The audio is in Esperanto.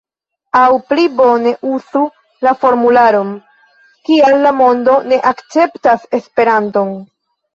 Aŭ pli bone uzu la formularon: Kial la mondo ne akceptas Esperanton?